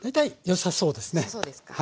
よさそうですか。